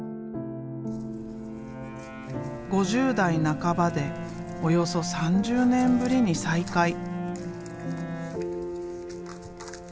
５０代半ばでおよそ３０年ぶりに再開。